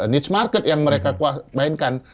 need market yang mereka mainkan